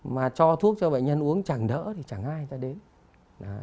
mà cho thuốc cho bệnh nhân uống chẳng đỡ thì chẳng ai cho đến